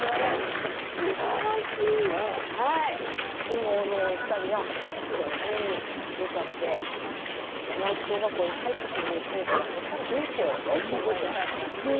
でもお二人は「こんなに出ちゃって山内小学校に入ってくる生徒が減ったらどうしよう」って心配なさってたんです。